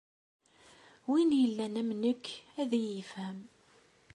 Win yellan am nekk, ad iyi-ifhem.